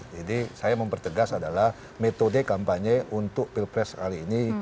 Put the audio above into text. saya mempertegas adalah metode kampanye untuk pilpres kali ini